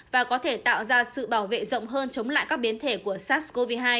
và có thể tạo ra sự bảo vệ rộng hơn chống lại các biến thể của sars cov hai